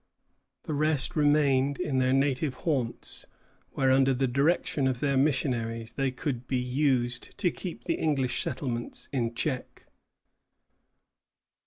The rest remained in their native haunts, where, under the direction of their missionaries, they could be used to keep the English settlements in check.